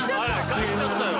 帰っちゃったよ。